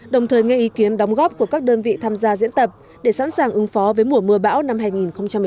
đồng thời nghe ý kiến đóng góp của các đơn vị tham gia diễn tập để sẵn sàng ứng phó với mùa mưa bão năm hai nghìn một mươi chín